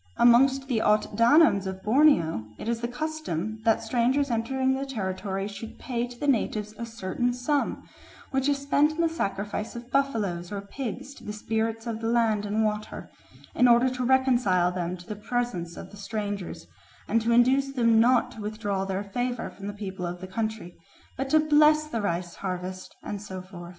Amongst the Ot Danoms of Borneo it is the custom that strangers entering the territory should pay to the natives a certain sum, which is spent in the sacrifice of buffaloes or pigs to the spirits of the land and water, in order to reconcile them to the presence of the strangers, and to induce them not to withdraw their favour from the people of the country, but to bless the rice harvest, and so forth.